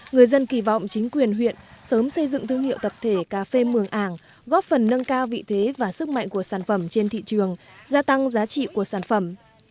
người dân kỳ vọng chính quyền huyện sớm xây dựng thương hiệu tập thể cà phê mường ảng góp phần nâng cao vị thế và sức mạnh của sản phẩm trên thị trường gia tăng giá trị của sản phẩm